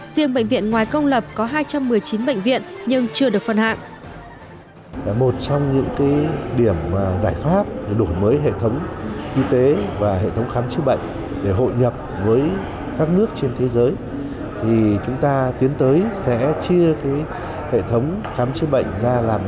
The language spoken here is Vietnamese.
riêng bệnh viện ngoài công lập có hai trăm một mươi chín bệnh viện nhưng chưa được phân hạng